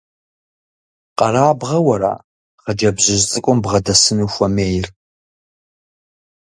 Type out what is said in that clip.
Къэрабгъэу ара хъыджэбзыжь цӀыкӀум бгъэдэсыну хуэмейр?